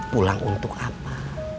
pulang untuk apa